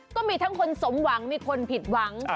ก็มีทั้งคนสมหวังมีคนผิดหวัง